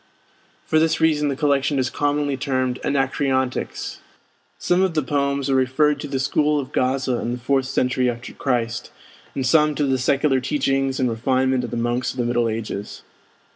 For this reason the collection is commonly termed 'Anacreontics'. Some of the poems are referred to the school of Gaza and the fourth century after Christ, and some to the secular teachings and refinement of the monks of the Middle Ages.